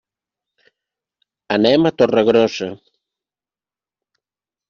Anem a Torregrossa.